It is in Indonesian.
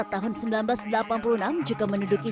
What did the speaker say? tahun seribu sembilan ratus delapan puluh enam juga menduduki